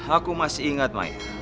aku masih ingat maya